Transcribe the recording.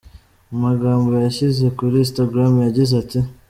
Mu magambo yashyize kuri Instagram yagize ati “.